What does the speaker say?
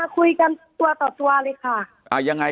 คุยกันตัวต่อตัวเลยค่ะ